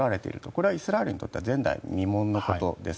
これはイスラエルにとっては前代未聞のことです。